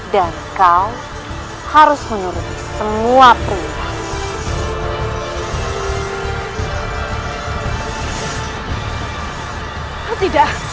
dan kau harus menuruti semua perintah